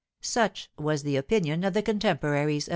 Such was the opinion of the contemporaries of M.